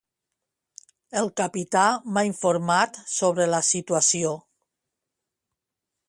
El capità m'ha informat sobre la situació.